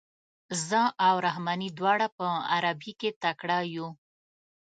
زه او رحماني دواړه په عربي کې تکړه یو.